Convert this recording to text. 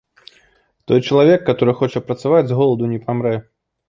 Той чалавек, каторы хоча працаваць, з голаду не памрэ.